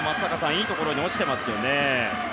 いいところに落ちていますね。